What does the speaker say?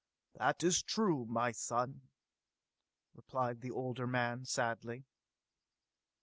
"That is true, my son!" replied the older man sadly.